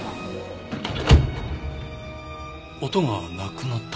音がなくなった。